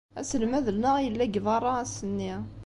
Aselmad-nneɣ yella deg beṛṛa ass-nni.